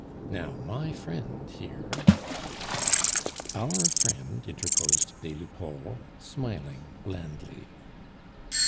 Now my friend here " "Our friend," interposed des Lupeaulx, smiling blandly.